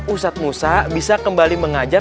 ustadz musa bisa kembali mengajar